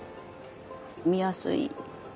見やすい。